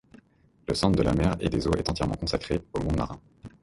Le Centre de la mer et des eaux est entièrement consacré au monde marin.